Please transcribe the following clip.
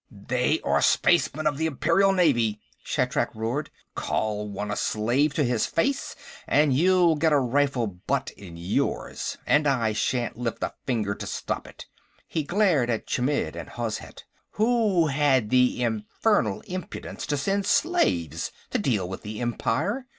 "They are spacemen of the Imperial Navy," Shatrak roared. "Call one a slave to his face and you'll get a rifle butt in yours. And I shan't lift a finger to stop it." He glared at Chmidd and Hozhet. "Who had the infernal impudence to send slaves to deal with the Empire?